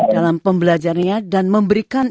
dalam pembelajarnya dan memberikan